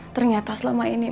ternyata selama ini